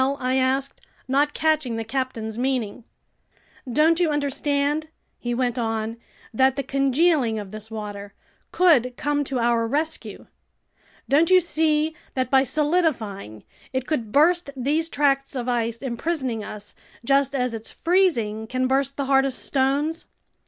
I asked, not catching the captain's meaning. "Don't you understand," he went on, "that the congealing of this water could come to our rescue? Don't you see that by solidifying, it could burst these tracts of ice imprisoning us, just as its freezing can burst the hardest stones?